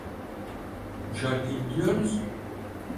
Bu şarkıyı biliyor musun?